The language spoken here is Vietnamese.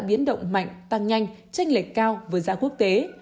biến động mạnh tăng nhanh tranh lệch cao với giá quốc tế